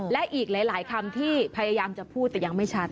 และอีกหลายคำที่พยายามจะพูดแต่ยังไม่ชัด